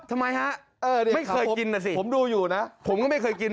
ทำไมฮะไม่เคยกินน่ะสิผมดูอยู่นะผมก็ไม่เคยกิน